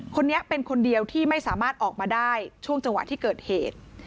คนนี้เป็นคนเดียวที่ไม่สามารถออกมาได้ช่วงจังหวะที่เกิดเหตุ